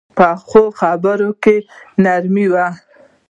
پخو خبرو کې نرمي وي